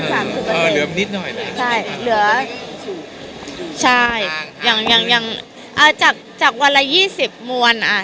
เหลือนิดหน่อยนะใช่เหลือใช่อย่างอย่างอย่างอ่าจากจากวันละ๒๐มวลอ่ะ